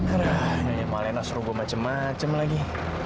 arah ininya yang malin asrubu macem macem lagi